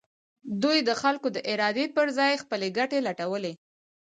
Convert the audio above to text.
دوی د خلکو د ارادې پر ځای خپلې ګټې لټوي.